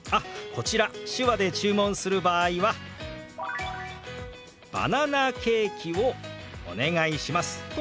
こちら手話で注文する場合は「バナナケーキをお願いします」と表しますよ。